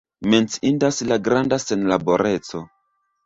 Menciindas la granda senlaboreco.